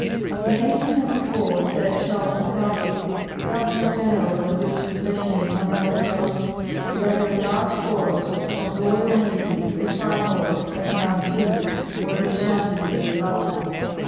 In 1824 Sir Charles McCarthy, governor general of the British })ossessions on tlie Gold coast, led a large force of loyal natives as far north as Mansu, where the Ashantis gave battle.